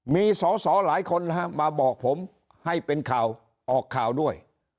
มีสอสอหลายคนมาบอกผมให้เป็นข่าวออกข่าวด้วย